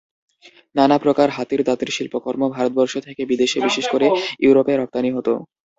নানা প্রকার হাতির দাঁতের শিল্পকর্ম ভারতবর্ষ থেকে বিদেশে বিশেষ করে ইউরোপে রপ্তানী হতো।